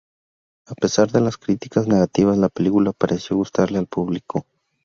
A pesar de las críticas negativas la película pareció gustarle al público.